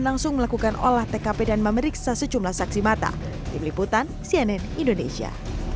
langsung melakukan olah tkp dan memeriksa secumlah saksi mata di peliputan cnn indonesia